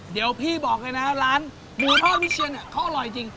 เดี๋ยวพี่บอกเลยนะร้านหมูทอดวิเชียนเนี่ยเขาอร่อยจริง